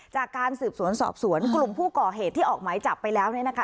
จากการสืบสวนสอบสวนกลุ่มผู้ก่อเหตุที่ออกหมายจับไปแล้วเนี่ยนะคะ